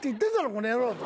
この野郎」。